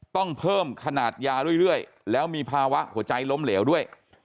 ต้องเพิ่มขนาดยาเรื่อยแล้วมีภาวะหัวใจล้มเหลวด้วย